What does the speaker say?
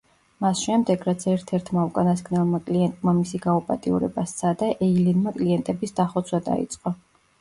მას შემდეგ, რაც ერთ-ერთმა უკანასკნელმა კლიენტმა მისი გაუპატიურება სცადა, ეილინმა კლიენტების დახოცვა დაიწყო.